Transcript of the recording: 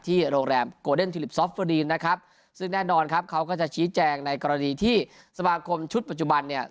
โรงแรมโกเดนทิลิปซอฟเฟอดีนนะครับซึ่งแน่นอนครับเขาก็จะชี้แจงในกรณีที่สมาคมชุดปัจจุบันเนี่ย